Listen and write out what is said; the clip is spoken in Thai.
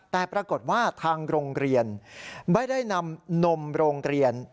แต่ปรากฏว่าทางโรงเรียนไม่ได้นำนมโรงเรียน